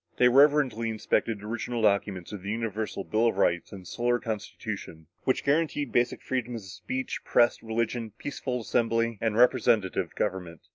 They reverently inspected original documents of the Universal Bill of Rights and the Solar Constitution, which guaranteed basic freedoms of speech, press, religion, peaceful assembly and representative government.